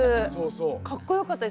かっこよかったです。